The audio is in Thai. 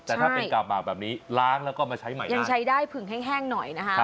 แต่ถ้าเป็นกาบหมากแบบนี้ล้างแล้วก็มาใช้ใหม่ยังใช้ได้ผึงแห้งหน่อยนะคะ